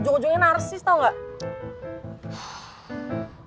ujung ujungnya narsis tau gak